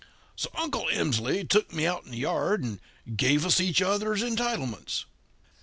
"So Uncle Emsley took me out in the yard and gave us each other's entitlements.